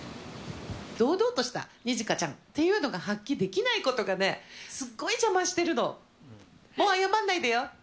堂々としたニジカちゃんっていうのが発揮できないことがね、すっごい邪魔してるの。